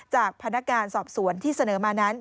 พนักการสอบสวนที่เสนอมานั้น